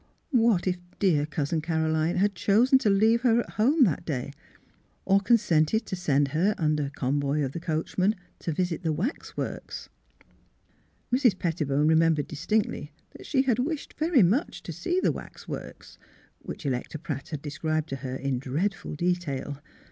"What if dear Cousin Caroline had chosen to leave her at home 68 THE HEAET OF PHILURA that day, or consented to send her, under convoy of the coachman, to visit the wax works. Mrs. Pettibone remembered distinctly that she had wished very much to see the wax works, which Electa Pratt had described to her in dreadful de tail.